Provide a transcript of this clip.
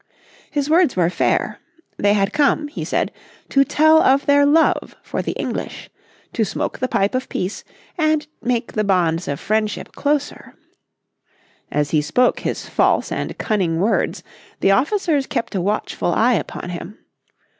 His words were fair. They had come, he said, to tell of their love for the English, "to smoke the pipe of peace, and make the bonds of friendship closer." As he spoke his false and cunning words, the officers kept a watchful eye upon him.